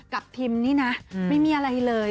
พิมนี่นะไม่มีอะไรเลย